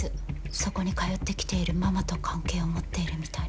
そこに通ってきているママと関係を持っているみたいなんです。